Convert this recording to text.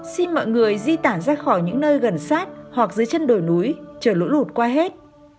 xin mọi người di tản ra khỏi những nơi gần sát hoặc dưới chân đồi núi chờ lũ lụt qua hết